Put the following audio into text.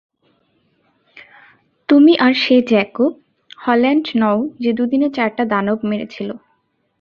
তুমি আর সে জ্যাকব হল্যান্ড নও যে দুদিনে চারটা দানব মেরেছিল।